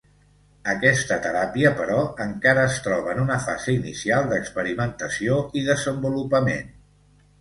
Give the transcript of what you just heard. Aquesta teràpia, però, encara es troba en una fase inicial d'experimentació i desenvolupament.